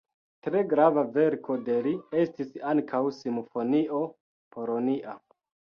Tre grava verko de li estis ankaŭ simfonio "Polonia".